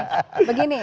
kepala kerajaan kita